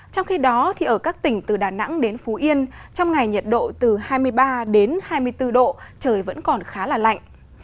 trong khi đó ở các tỉnh từ đà nẵng đến phú yên trong ngày nhiệt độ từ hai mươi ba đến hai mươi bốn độ trời vẫn còn khá là lạnh